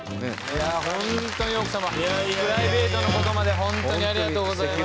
いやホントに奥様プライベートな事までホントにありがとうございます。